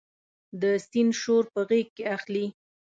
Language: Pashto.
د سیند شور په غیږ کې اخلي